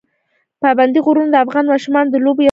پابندي غرونه د افغان ماشومانو د لوبو یوه موضوع ده.